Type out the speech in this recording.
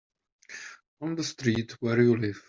On the street where you live.